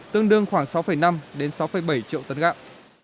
tương đương khoảng sáu năm đến sáu bảy triệu tấn gạo